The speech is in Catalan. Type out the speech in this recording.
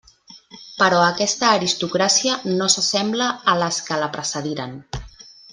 Però aquesta aristocràcia no s'assembla a les que la precediren.